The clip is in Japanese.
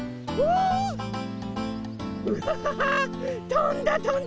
とんだとんだ！